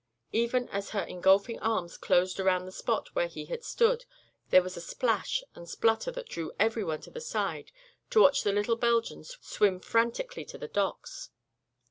Even as her engulfing arms closed around the spot where he had stood, there was a splash and splutter that drew everyone to the side to watch the little Belgian swim frantically to the docks.